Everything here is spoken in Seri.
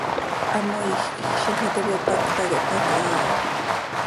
Hamoiij quij, ziix iti cöipacta quih pac haa ha.